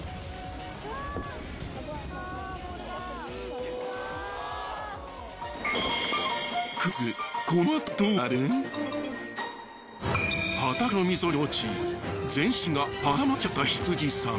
ＪＴ畑の溝に落ち全身が挟まっちゃった羊さん。